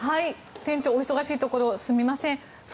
店長、お忙しいところすみません。